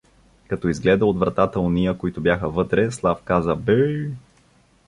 Като изгледа от вратата ония, които бяха вътре, Слав каза: — Бей!